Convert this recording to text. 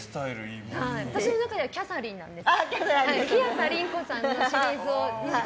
私の中ではキャサリンなんです。